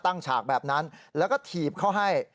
ฉากแบบนั้นแล้วก็ถีบเขาให้